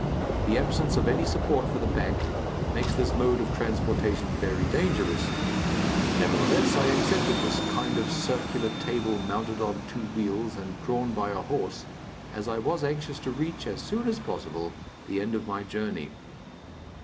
The absence of any support for the back makes this mode of transportation very dangerous; nevertheless, I accepted this kind of circular table mounted on two wheels and drawn by a horse, as I was anxious to reach, as soon as possible, the end of my journey.